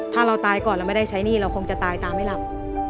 ถ้าเราตายก่อนเราไม่ได้ใช้หนี้เราคงจะตายตามไม่หลับ